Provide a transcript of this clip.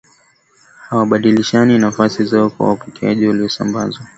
Hawabadilishani nafasi zao kwa wapokeaji waliosambazwa